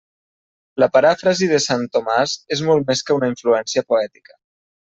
La paràfrasi de sant Tomàs és molt més que una influència poètica.